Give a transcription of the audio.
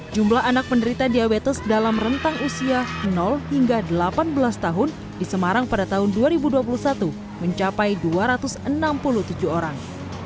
jumlah anak penderita diabetes dalam rentang usia hingga delapan belas tahun di semarang pada tahun dua ribu dua puluh satu mencapai dua ratus enam puluh tujuh orang